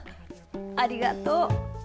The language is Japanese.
ありがとう。